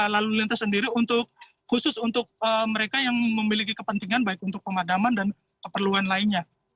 lalu lintas sendiri khusus untuk mereka yang memiliki kepentingan baik untuk pemadaman dan keperluan lainnya